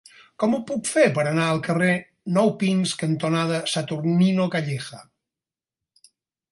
Com ho puc fer per anar al carrer Nou Pins cantonada Saturnino Calleja?